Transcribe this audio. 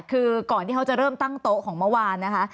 คือก่อนที่เขาจะเริ่มตั้งโต๊ะของเมื่อวานนะคะ